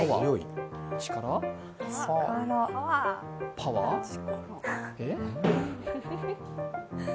パワー？力？